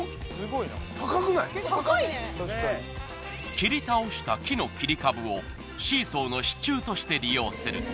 切り倒した木の切り株をシーソーの支柱として利用する。